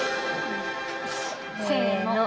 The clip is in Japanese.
せの。